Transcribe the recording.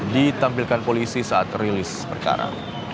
ditampilkan polisi saat rilis perkara